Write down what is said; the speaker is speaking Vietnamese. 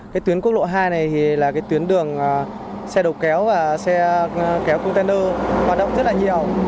cái tuyến quốc lộ hai này thì là cái tuyến đường xe đầu kéo và xe kéo container hoạt động rất là nhiều